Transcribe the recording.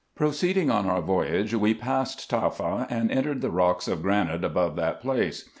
Proceeding on our voyage, we passed TafFa, and entered the rocks of granite above that place.